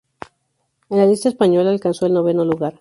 En la lista española alcanzó el noveno lugar.